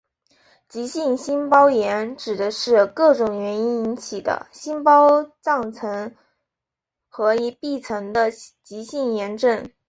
急性心包炎指的是各种原因引起的心包脏层和壁层的急性炎症。